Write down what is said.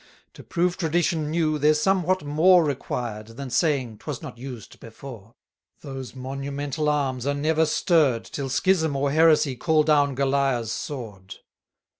To prove tradition new, there's somewhat more Required, than saying, 'twas not used before. Those monumental arms are never stirr'd, Till schism or heresy call down Goliah's sword.